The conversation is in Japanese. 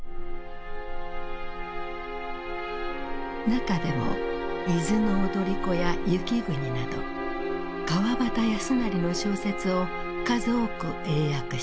中でも「伊豆の踊子」や「雪国」など川端康成の小説を数多く英訳した。